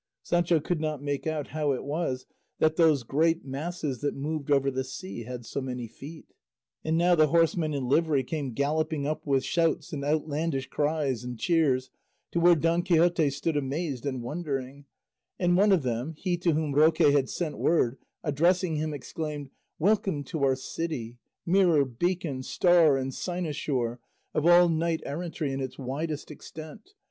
Sancho could not make out how it was that those great masses that moved over the sea had so many feet. And now the horsemen in livery came galloping up with shouts and outlandish cries and cheers to where Don Quixote stood amazed and wondering; and one of them, he to whom Roque had sent word, addressing him exclaimed, "Welcome to our city, mirror, beacon, star and cynosure of all knight errantry in its widest extent!